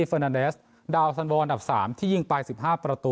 เฟอร์นาเนสดาวน์สันโวอันดับสามที่ยิ่งปลายสิบห้าประตู